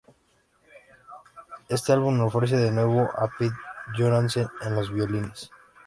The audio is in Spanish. Este álbum ofrece de nuevo a Pete Johansen en los violines.